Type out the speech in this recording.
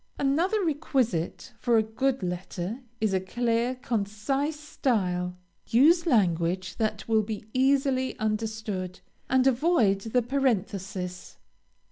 Another requisite for a good letter is a clear, concise style. Use language that will be easily understood, and avoid the parenthesis.